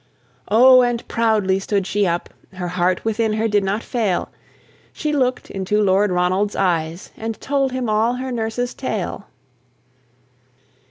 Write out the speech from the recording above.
O and proudly stood she up! Her heart within her did not fail: She look'd into Lord Ronald's eyes, And told him all her nurse's tale.